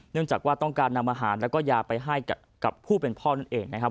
จากว่าต้องการนำอาหารแล้วก็ยาไปให้กับผู้เป็นพ่อนั่นเองนะครับ